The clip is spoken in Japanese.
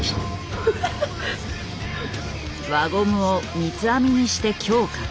輪ゴムを三つ編みにして強化。